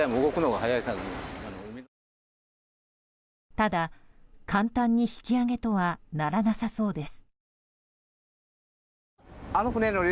ただ、簡単に引き揚げとはならなさそうです。